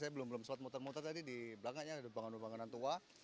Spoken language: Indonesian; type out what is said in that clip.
saya belum belum sempat muter muter tadi di belakangnya ada bangunan bangunan tua